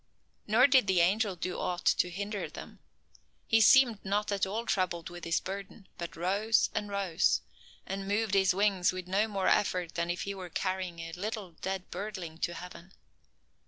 Nor did the angel do aught to hinder them. He seemed not at all troubled with his burden, but rose and rose, and moved his wings with no more effort than if he were carrying a little dead birdling to heaven.